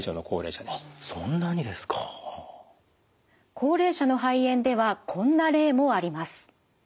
高齢者の肺炎ではこんな例もあります。